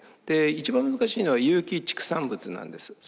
で一番難しいのは有機畜産物なんです。